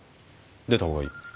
出た方がいい。